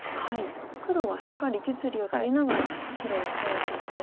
黒はしっかり実利を取りながら白を攻めていってと。